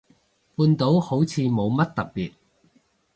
半島好似冇乜特別